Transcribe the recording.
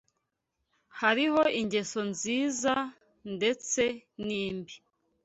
Hariho ingeso nziza ndetse nimbi